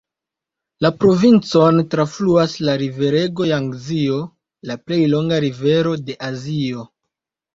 La provincon trafluas la riverego Jangzio, la plej longa rivero de Azio.